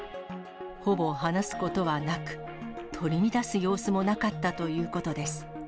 ほぼ話すことはなく、取り乱す様子もなかったということです。